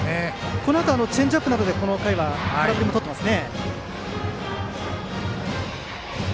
このあとチェンジアップなどでこの回は空振りもとっています。